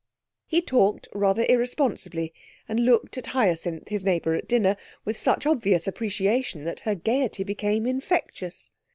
He talked rather irresponsibly, and looked at Hyacinth, his neighbour at dinner, with such obvious appreciation, that her gaiety became infectious.